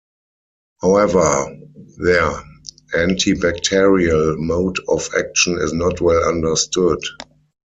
However, their antibacterial mode of action is not well understood.